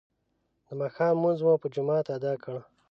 د ماښام لمونځ مو په جماعت ادا کړ.